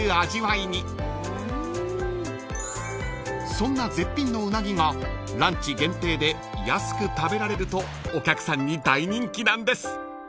［そんな絶品のうなぎがランチ限定で安く食べられるとお客さんに大人気なんです］